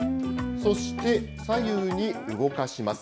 そして左右に動かします。